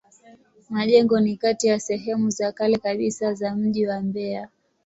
Majengo ni kati ya sehemu za kale kabisa za mji wa Mbeya.